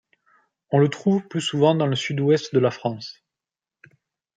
On le trouve plus souvent dans le Sud-Ouest de la France.